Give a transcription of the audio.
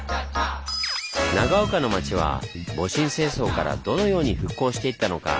長岡の町は戊辰戦争からどのように復興していったのか。